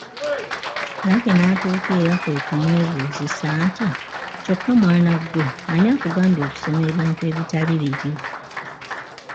Lucky n’atuuka era kwe kumwebuuzisa nti, ”Kyokka mwana ggwe ani akugambye okusoma ebintu ebitali bibyo".